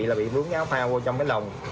là bị vướng áo phao vô trong cái lồng